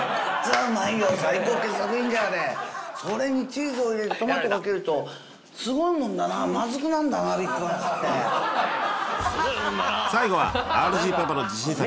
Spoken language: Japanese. あれそれにチーズを入れてトマトかけるとすごいもんだな最後はＲＧパパの自信作